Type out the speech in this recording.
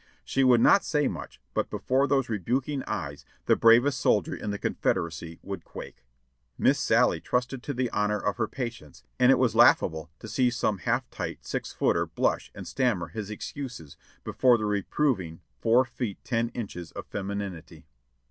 She would not say much, but before those rebuking eyes the bravest soldier in the Confed eracy would quake. Miss Sallie trusted to the honor of her patients, and it was laughable to see some half tight six footer blush and stammer his excuses before the reproving four feet ten inches of femi ninity.